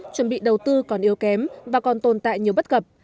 chuẩn bị đầu tư còn yếu kém và còn tồn tại nhiều bất cập